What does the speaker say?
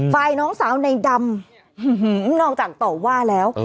ฝ่ายน้องสาวในดำนอกจากต่อว่าแล้ว